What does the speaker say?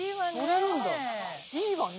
いいわね。